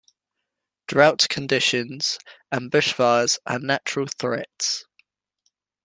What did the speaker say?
Drought conditions and brushfires are natural threats.